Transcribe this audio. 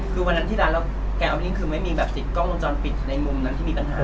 คือวันนั้นที่ร้านเราแกะออกไปนี้คือไม่มีแบบสิทธิ์กล้องลงจรปิดในมุมที่มีปัญหา